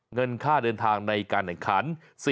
เงินค่าเดินทางในการแข่งขัน